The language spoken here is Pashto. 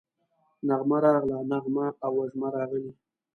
نغمه راغله، نغمه او وژمه راغلې